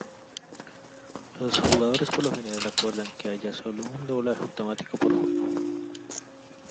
Los jugadores por lo general acuerdan que haya sólo un doblaje automático por juego.